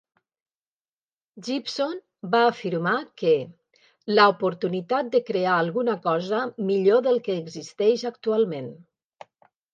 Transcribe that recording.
Gibson va afirmar que "la oportunitat de crear alguna cosa millor del que existeix actualment".